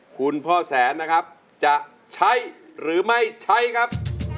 คุณพ่อแสนนะครับจะใช้หรือไม่ใช้ครับ